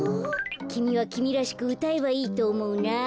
きみはきみらしくうたえばいいとおもうな。